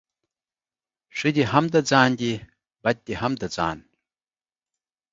ښه دي هم د ځان دي ، بد دي هم د ځآن.